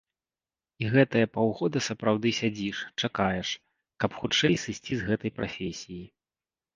І гэтыя паўгода сапраўды сядзіш, чакаеш, каб хутчэй сысці з гэтай прафесіі.